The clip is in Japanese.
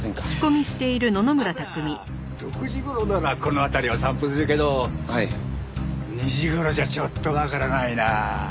朝６時頃ならこの辺りを散歩するけど２時頃じゃちょっとわからないな。